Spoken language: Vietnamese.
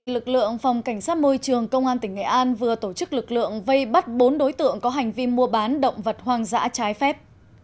lực lượng phòng cảnh sát môi trường công an tỉnh nghệ an vừa tổ chức lực lượng vây bắt bốn đối tượng có hành vi mua bán động vật hoang dã trái phép